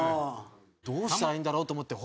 どうしたらいいんだろうって思って。